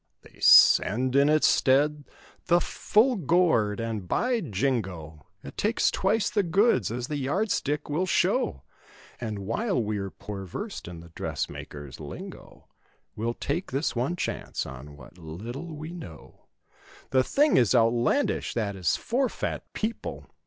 They send, in its stead, the "full gored" and "By Jingo!" It takes twice the goods as the yard stick will show. And while we're poor versed in the dressmaker's lingo We'll take this one chance on what little we know; "The thing is out landish, that is for fat people!